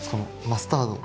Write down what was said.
マスタード。